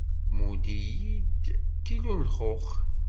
Mudd-iyi-d kilu n lxux.